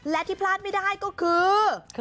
และที่พลาดไม่ได้ก็คือ